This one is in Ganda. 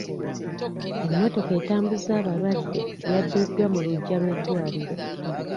Emmotoka etambuza abalwadde yabbiddwa mu luggya lw'eddwaliro.